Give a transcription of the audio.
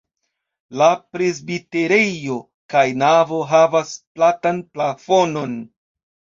La presbiterejo kaj navo havas platan plafonon.